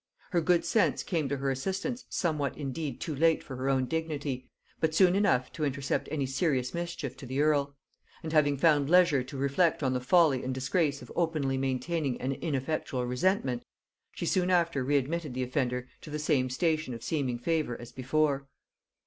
Her good sense came to her assistance somewhat indeed too late for her own dignity, but soon enough to intercept any serious mischief to the earl; and having found leisure to reflect on the folly and disgrace of openly maintaining an ineffectual resentment, she soon after readmitted the offender to the same station of seeming favor as before.